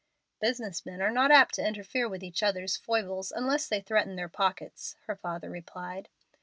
"Business men are not apt to interfere with each other's foibles unless they threaten their pockets," her father replied.